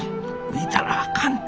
見たらあかんて